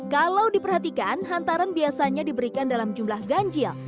kalau diperhatikan hantaran biasanya diberikan dalam jumlah ganjil